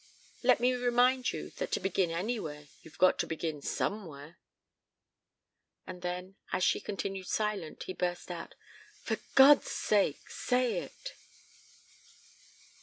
"Let me remind you that to begin anywhere you've got to begin somewhere." And then as she continued silent, he burst out: "For God's sake, say it!"